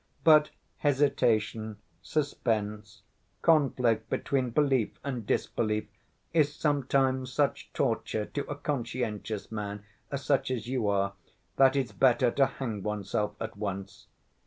But hesitation, suspense, conflict between belief and disbelief—is sometimes such torture to a conscientious man, such as you are, that it's better to hang oneself at once.